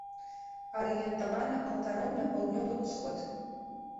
Арыентавана алтаром на паўднёвы ўсход.